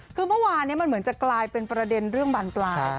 คือเมื่อวานมันเหมือนจะกลายเป็นประเด็นเรื่องบานปลาย